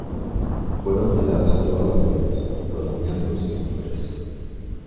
Fueron tiradas todas las ruedas, rodamientos y motores.